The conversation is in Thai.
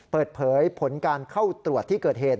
เปิดเผยผลการเข้าตรวจที่เกิดเหตุ